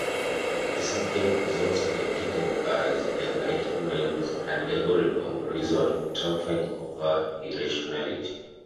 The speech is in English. The subject is also intended as an Enlightenment allegory of reason triumphing over irrationality.